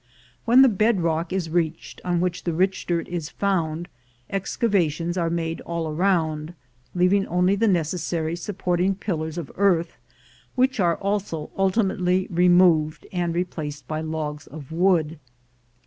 When the bed rock is reached on which the rich dirt is found, excava tions are made all round, leaving only the necessary supporting pillars of earth, which are also ultimately removed, and replaced by logs of wood.